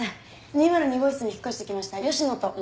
２０２号室に引っ越してきました吉野と申します。